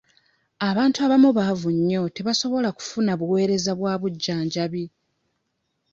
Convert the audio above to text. Abantu abamu baavu nnyo tebasobola kufuna buweereza bwa bujjanjabi.